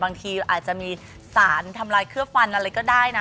บางทีอาจจะมีสารทำลายเคลือบฟันอะไรก็ได้นะ